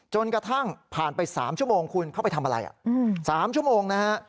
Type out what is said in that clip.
จนกระทั่งผ่านไป๓ชั่วโมงคุณเข้าไปทำอะไร๓ชั่วโมงนะฮะ